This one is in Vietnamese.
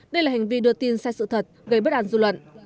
đây là hành vi đưa tin sai sự thật gây bất an dư luận